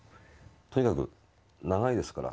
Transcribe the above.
とにかく長いですから。